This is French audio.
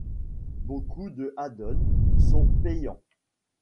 Beaucoup de add-on sont payants.